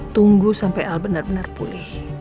tunggu sampai al benar benar pulih